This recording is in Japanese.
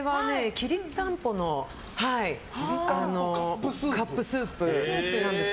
きりたんぽのカップスープです。